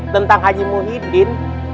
tentang aji muhyiddin